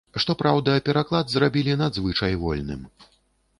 Што праўда, пераклад зрабілі надзвычай вольным.